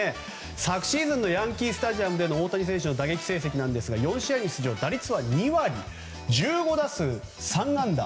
昨シーズンのヤンキー・スタジアムでの大谷選手の打撃成績なんですが４試合に出場し、打率は２割１５打数３安打。